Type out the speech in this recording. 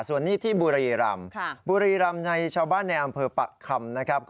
ส่วนนี้ที่บุรีรำบุรีรำในชาวบ้านในอำเภอปะคำนะครับ